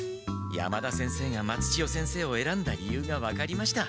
山田先生が松千代先生をえらんだ理由が分かりました。